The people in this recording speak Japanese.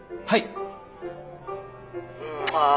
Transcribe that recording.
はい。